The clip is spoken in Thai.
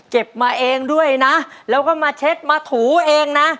เก็บมาเองด้วยนะแล้วก็มาเช็ดมาถูเองนะ